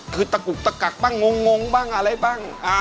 คือตะกุกตะกักบ้างงงบ้างอะไรบ้าง